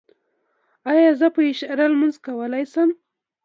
ایا زه په اشاره لمونځ کولی شم؟